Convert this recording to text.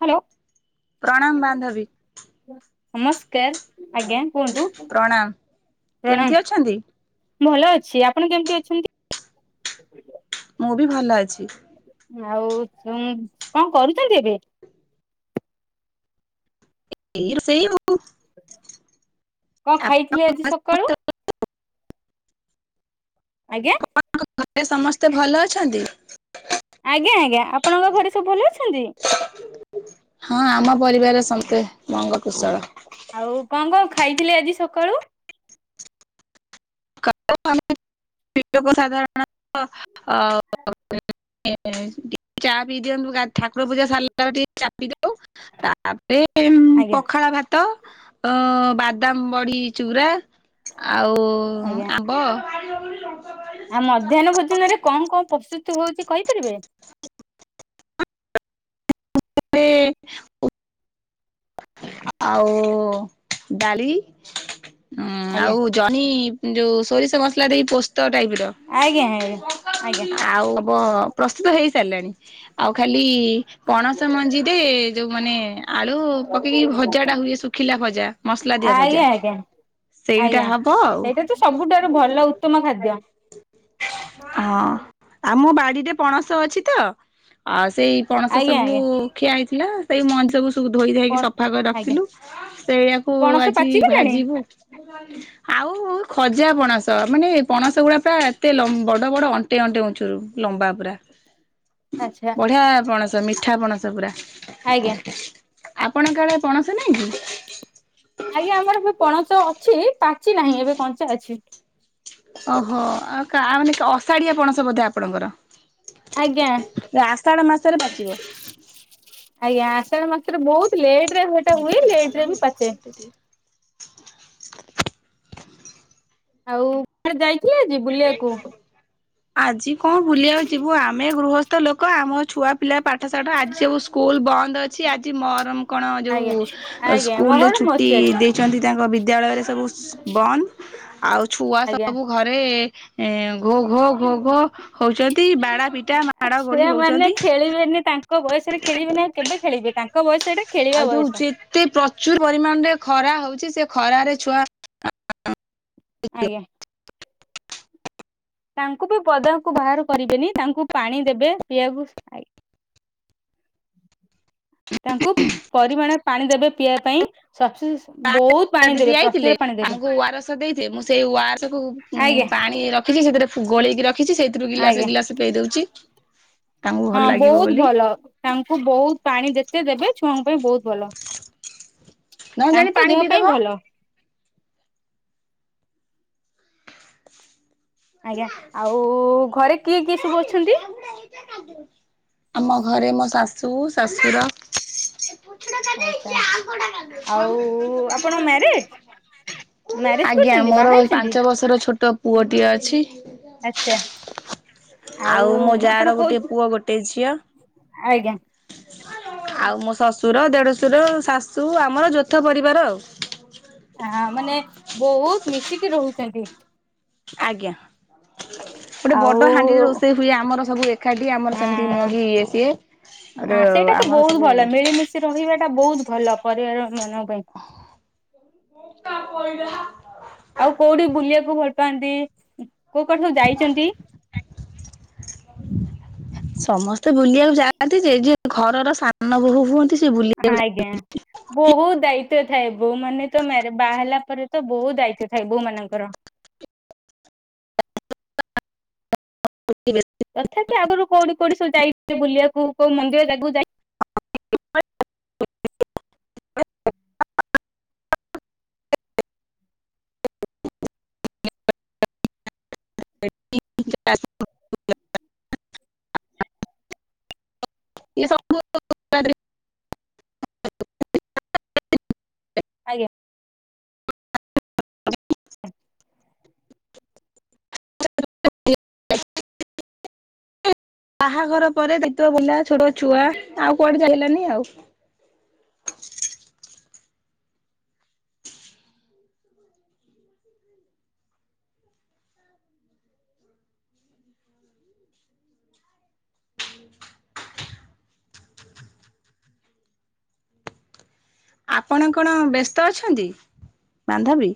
Hello. ପ୍ରଣାମ ବାନ୍ଧବୀ। ନମସ୍କାର ଆଜ୍ଞା କୁହନ୍ତୁ ପ୍ରଣାମ କେମିତି ଅଛନ୍ତି? ପ୍ରଣାମ। ଭଲ ଅଛି ଆପଣ କେମିତି ଅଛନ୍ତି। ମୁଁ ବି ଭଲ ଅଛି। ଆଉ ଉଁ କଣ କରୁଛନ୍ତି ଏବେ? ଏଇ ରୋଷେଇ ଆଉ। [inaudible] କଣ ଖାଇଥିଲେ ଆଜି ସକାଳୁ ଆଜ୍ଞା। ସମସ୍ତେ ଭଲ ଅଛନ୍ତି। ଆଜ୍ଞା ଆଜ୍ଞା ଆପଣଙ୍କ ଘରେ ସବୁ ଭଲ ଅଛନ୍ତି ହଁ ଆମ ପରିବାରେ ସମସ୍ତେ ମଙ୍ଗ କୁଶଳ। ଆଉ କଣ କଣ ଖାଇଥିଲେ ଆଜି ସକାଳୁ? [inaudible] କୁ ସାଧାରଣତଃ ଅ [inaudible] [inaudible] ଚା ପି ଦିଅନ୍ତୁ ଗା ଠାକୁର ପୂଜା ସାରିଲା ପରେ ଟିକେ ଚା ପି ଦଉ ତାପରେ ଉଁ ଆଜ୍ଞା ପଖାଳ ଭାତ। ଅ ବାଦାମ ବଢି ଚୁରା ଆଉ। ଆଜ୍ଞା ବ। ଆଉ ମଧ୍ୟାହ୍ନ ଭୋଜନ ରେ କଣ କଣ ପ୍ରସ୍ତୁତି ହଉଛି କହିପାରିବେ? ରେ ଉ। ଆଉ ଡାଳି। ହଁ ଆଜ୍ଞା ଆଉ ଜହ୍ନି ଯୋଉ ସୋରିଷ ମସଲା ଦେଇ ପୋଷ- ତ ଟାଇପର ଆଜ୍ଞା ଆଜ୍ଞା ଆଜ୍ଞା ଆଉ। ବ ପ୍ରସ୍ତୁତ ହେଇସାରିଲାଣି ଆଉ ଖାଲି ପଣସ ମଞ୍ଜିରେ ଯୋଉ ମାନେ ଆ ଳୁ ପକେଇକି ଭଜାଟା ହୁଏ ଶୁଖିଲା ଭଜା ମସଲା ଦିଆ ଆଜ୍ଞା ଭଜା। ଆଜ୍ଞା ଆଜ୍ଞା ସେଇଟା ହବ ଆଉ। ସେଇଟା ତ ସବୁଠାରୁ ଭଲ ଉତ୍ତମ ଖାଦ୍ୟ ହଁ ଆଉ ମୋ ବାଡିରେ ପଣସ ଅଛି ତ ଆ ସେଇ ପଣସ ଆଜ୍ଞା ସବୁ ଆଜ୍ଞା ଖିଆ ହେଇଥିଲା ସେଇ ମଞ୍ଜି ସବୁ ତୁ ଧୋଇ ଧାଇକି କଣ ସଫା କରି ଆଜ୍ଞା ରଖିଥିଲୁ। ସେଇୟା କୁ ପଣସ ଆଜି ପାଚିଗଲାଣି ଭାଜିବୁ। ଆଉ ଖଜା ପଣସ ମାନେ ପଣସ ଗୁଡା ପ୍ରା ଏତେ ଲ ବଡ ବଡ ଅଣ୍ଟେ ଅଣ୍ଟେ ଉଞ୍ଚୁରୁ ଲମ୍ବା ପୁରା। ଆଚ୍ଛା ବଢିଆ ପଣସ ମିଠା ପଣସ ପୁରା। ଆଜ୍ଞା ଆପଣଙ୍କ ଆଡେ ପଣସ ନାଇଁ କି? ଆଜ୍ଞା ଆମର ଏବେ ପଣସ ଅଛି ପାଚି ନାହିଁ ଏବେ କଞ୍ଚା ଅଛି। ଓହୋ ଆଉ କା ମାନେ ଅଷାଢିଆ ପଣସ ବୋଧେ ଆପଣଙ୍କର? ଆଜ୍ଞା ଆଜ୍ଞା ଆଷାଢ ମାସରେ ପାଚିବ। ଆଜ୍ଞା। ସେତେବେଳେ ମାତ୍ର ବୋହୁତ ଲେଟରେ ହେଟା ହୁଏ। ଲେଟରେ ବି ପାଚେ। [inaudible] ଆଉ ହେଣେ ଯାଇ ଆଜି କଣ ବୁଲିବାକୁ ଯିବୁ। ଆମେ ଗୃହ ତ ଲୋକ ଆମ ଛୁଆପିଲା ପାଠଶାଠ ଆଜି ସବୁ ସ୍କୁଲ ବନ୍ଦ ଅଛି ଆଜି ମହରମ। କଣ ଆଜ୍ଞା ଯୋଉ ଆଜ୍ଞା ମୋ ସ୍କୁଲରେ ଘର ଛୁଟି ମସୁଆଜି ଦେଇଚନ୍ତି ତାଙ୍କ ବି ଦ୍ୟାୟାଳୟରେ ସବୁ [unintelligible] ବନ୍ଦ ଆଉ ଛୁଆ ଆଜ୍ଞା ସବୁ ଘରେ ଏଁ ଘୋ ଘୋ ଘୋ ଘୋ ହୋଉଚନ୍ତି ବାଡା ପି ଆ ଛୁଆମାନେ ଖେଳିବେନି ତାଙ୍କ ବୟସରେ ଖେଳିବେନି ଆଉ କେବେ ଖେଳିବେ ତାଙ୍କ ବୟସ ଏଟା। ଖେଳିବା ଆଉ ଯୋଉ ବୟସ ଯେତେ ପ୍ରଚୁର ପରିମାଣରେ ଖରା ହୋଉଚି ସେ ଖରାରେ ଛୁଆ ଆଜ୍ଞା। ତାଙ୍କୁ ବି ପଦାକୁ ବାହାର କରିବେନି ତାଙ୍କୁ ପାଣି ଦେବେ ପିଇବାକୁ ତାଙ୍କୁ ପରିମାଣ ପାଣି ଦେବେ ପିଇବା ପାଇଁ। ସଫି ବହୁତ [unintelligible] ପାଣି ଦିଦି ଦେବେ ଦେଇଥିଲେ ପ୍ରଚୁର ପାଣି ଦେବେ ଆମକୁ ଉର ଆସ ଦେଇ ମୁଁ ସେଇ ଓ ଆର ଏସକୁ ଆଜ୍ଞା ପାଣି। ରଖିଛି ସେଥିରେ ଫ ଗୋଳେଇକି ରଖିଛି ସେଇଥିରୁ ଆଜ୍ଞା। ଗିଲାସ ଗିଲସ ପେଇ ଦଉଛି। ତାଙ୍କୁ ଭଲ ହଁ ଲାଗିବ ବହୁତ ବୋଲି ଭଲ ତାଙ୍କୁ ବହୁତ ପାଣି ଯେତେ ଦେବେ। ଛୁଆଙ୍କ ପାଇଁ ବହୁତ ଭଲ। ନଅ ଜାଣି ତାଙ୍କ ପାଣି ଦେହ ପାଇଁ ପିଇଦବ। ଭଲ ଆଜ୍ଞା ଆଉ ଘରେ କିଏ କିଏ ସବୁ ଅଛନ୍ତି? ଆମ ଘରେ ମୋ ଶାଶୁ ଶଶୁର। ଆଚ୍ଛା ଆଉ ଆପଣ ମ୍ୟାରେଜ [unintelligible] ମ୍ୟାରେଜ ଆଜ୍ଞା କରିଛନ୍ତି ମୋର ବାହା ହେଇଛନ୍ତି? ପାଞ୍ଚ ବର୍ଷର ଛୋଟ ପୁଅଟିଏ ଅଛି। ଆଚ୍ଛା। ଆଉ ମୋ ଆପଣ ଯାର କୋଉ ଗୋଟେ ପୁଅ ଗୋଟେ ଝିଅ। ଆଜ୍ଞା। ଆଉ ମୋ ଶ୍ୱଶୁର ଦେଢଶୁର ଶାଶୁ ଆମର ଯୌଥ ପରିବାର ଆଉ। ହଁ ମାନେ ବହୁତ ମିଶିକି ରହୁଚନ୍ତି। ଆଜ୍ଞା ଗୋଟେ ଆଉ ବଡ ହାଣ୍ଡିରେ ରୋଷେଇ ହୁଏ ଆମର ସବୁ ଏ ଏକ୍ଷାଟିଏ ଆମର ସେମିତି ନୁହେଁ କି ହଁ ଇଏ ସିଏ ଆ ସେଇଟା ତ ଆମର ବହୁତ ସବୁ ଭଲ ମିଳିମିଶି ରହିବା ଟା ବହୁତ ଭଲ ପରିବାର ମାନଙ୍କ ପାଇଁ। [inaudible] ଆଉ କୋଉଠି ବୁଲିବାକୁ ଭଲ୍ ପାଆନ୍ତି? [unintelligible] ସବୁ ଯାଇଛନ୍ତି? ସମସ୍ତେ ବୁଲିବାକୁ ଯାଆନ୍ତି ଯେ ଯି ଘରର ସାନ ବୋହୂ ହୁଅନ୍ତି ସେ ହଁ ବୁଲିବାକୁ ଆଜ୍ଞା ବୋହୁତ ଦାୟିତ୍ୱ ଥାଏ ବୋଉ ମାନେ ତ ମ୍ୟା ବାହା ହେଲା ପରେ ତ ବହୁ ଦାୟିତ୍ୱ ଥାଏ ବୋହୂ ମାନଙ୍କର। [unintelligible] ତଥାପି ଆଗରୁ କୋଉଠି କୋଉଠି ସବୁ ଯାଇ ବୁଲିବାକୁ କୋଉ ମନ୍ଦିର ଯାଗକୁ ଯାଇ [unintelligible] ଇଏ ସବୁ [unintelligible] [unintelligible] ଆଜ୍ଞା। [unintelligible] ବାହାଘର ପରେ ଦିତ ବୁଲା ଛୋଟ ଛୁଆ ଆଉ କୁଆଡେ ଯାଇ ହେଲାନି ଆଉ। ଆପଣ କଣ ବ୍ୟସ୍ତ ଅଛନ୍ତି ବାନ୍ଧବୀ?